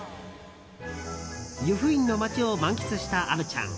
由布院の街を満喫した虻ちゃん。